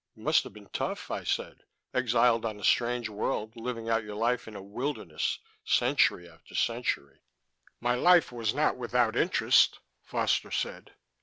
"It must have been tough," I said, "exiled on a strange world, living out your life in a wilderness, century after century...." "My life was not without interest," Foster said.